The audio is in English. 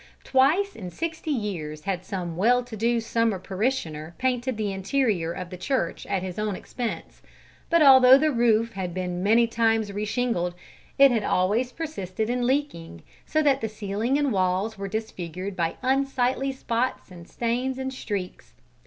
Twice in sixty years had some well to do summer parishioner painted the interior of the church at his own expense; but although the roof had been many times reshingled, it had always persisted in leaking, so that the ceiling and walls were disfigured by unsightly spots and stains and streaks.